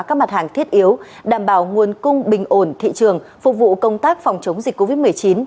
các mặt hàng thiết yếu đảm bảo nguồn cung bình ổn thị trường phục vụ công tác phòng chống dịch covid một mươi chín